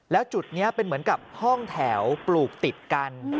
แล้วจุดนี้เป็นเหมือนกับห้องแถวปลูกติดกัน